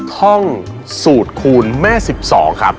ท่องสูตรคูณแม่๑๒ครับ